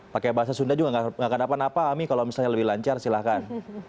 pakai bahasa sunda juga gak keadaan apa ami kalau misalnya lebih lancar silahkan